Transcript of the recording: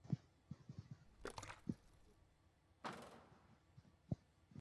Mwǎn a bíyɛ́ wóm nɛ́ mɔ mbɛ́ɛ́.